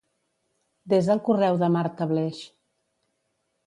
Desa el correu de Marta Bleix.